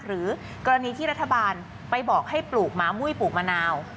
หรือกรณีที่รัฐบาลไปบอกให้ปลูกหมามุ้ยปลูกมะนาว